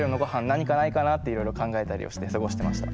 何かないかなっていろいろ考えたりして過ごしてました。